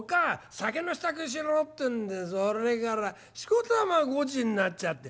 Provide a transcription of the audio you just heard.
酒の支度しろ』ってんでそれからしこたまごちになっちゃって。